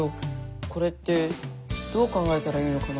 これってどう考えたらいいのかな？